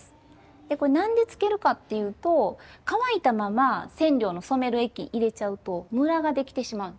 でこれなんでつけるかっていうと乾いたまま染料の染める液入れちゃうとむらができてしまう。